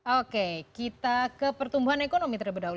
oke kita ke pertumbuhan ekonomi terlebih dahulu